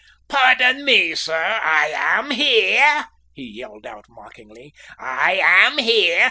"Pardon me, sir, I am here," he yelled out mockingly. "I am here.